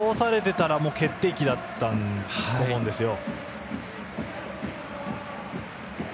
また、今のは倒されていたら決定機だったと思うんですよ。